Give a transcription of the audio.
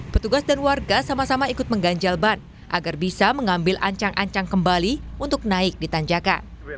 petugas dan warga sama sama ikut mengganjal ban agar bisa mengambil ancang ancang kembali untuk naik di tanjakan